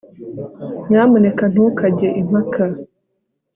nyamuneka ntukajye impaka